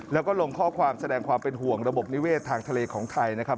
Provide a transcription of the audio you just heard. แล้วก็ลงข้อความแสดงความเป็นห่วงระบบนิเวศทางทะเลของไทยนะครับ